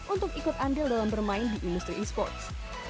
untuk ikut andil dalam bermain di industri e sports